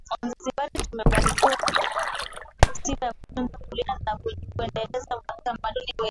Wazanzibari tumebarikiwa sifa ya kutunza kulinda na kuendeleza utamaduni wetu